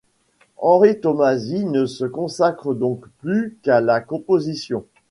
Henri Tomasi ne se consacre donc plus qu'à la composition.